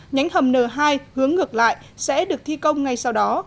nhánh hầm n hai hướng ngược lại sẽ được thi công ngay sau đó